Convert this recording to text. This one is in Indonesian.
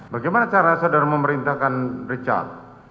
bagaimana cara saudara memerintahkan richard